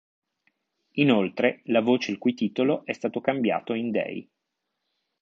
Inoltre, la voce il cui titolo è stato cambiato in "They.